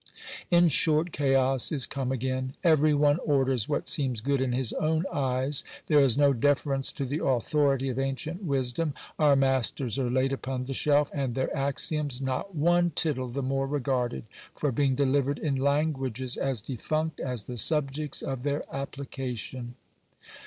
In short, chaos is come again ! Every one orders what seems good in his own eyes ; there is no deference to the authority of ancient wisdom ; our masters are laid upon the shelf, and their axioms not one tittle the more regarded, for being delivered in languages as defunct as the subjects of their application.